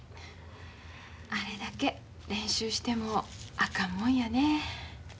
あれだけ練習してもあかんもんやねえ。